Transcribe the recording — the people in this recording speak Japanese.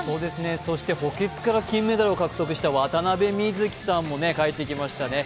補欠から金メダルを獲得した渡部葉月さんも帰ってきましたね。